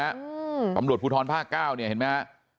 อืมตำรวจภูทรภาคเก้าเนี่ยเห็นไหมฮะ